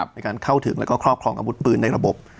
ในการเข้าถึงแล้วก็ครอบครองอาวุธปืนในระบบ